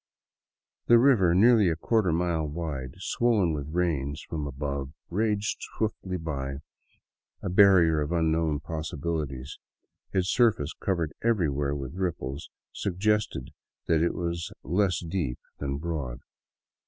The river, nearly a quarter mile wide, swollen by the rains above, raged swiftly by, a barrier of unknown possibilities. Its surface, covered everywhere with ripples, suggested that it was less deep than broad.